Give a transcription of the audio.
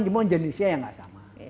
cuman jenisnya yang tidak sama